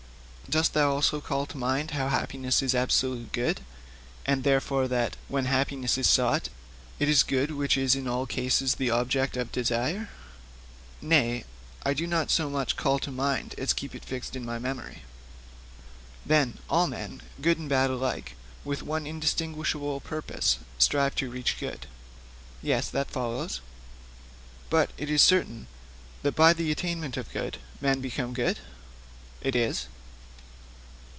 'Dost thou also call to mind how happiness is absolute good, and therefore that, when happiness is sought, it is good which is in all cases the object of desire?' 'Nay, I do not so much call to mind as keep it fixed in my memory.' 'Then, all men, good and bad alike, with one indistinguishable purpose strive to reach good?' 'Yes, that follows.' 'But it is certain that by the attainment of good men become good?' 'It is.'